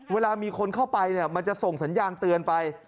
เวลามีคนเข้าไปมันจะส่งสัญญาณเตือนไป